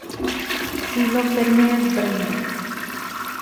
Sídlo firmy je v Brně.